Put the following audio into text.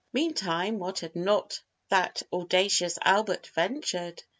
Meantime, what had not that audacious Albert ventured!